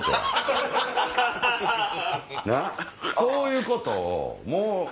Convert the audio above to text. そういうことを。